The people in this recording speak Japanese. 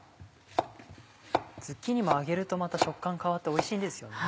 ズッキーニも揚げると食感変わっておいしいんですよね。